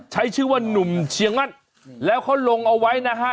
ใช้ชื่อว่านุ่มเชียงมั่นแล้วเขาลงเอาไว้นะฮะ